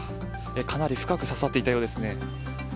かなり深く刺さっていたようですね。